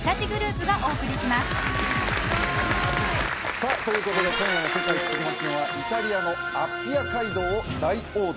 さあということで今夜の「世界ふしぎ発見！」はイタリアのアッピア街道を大横断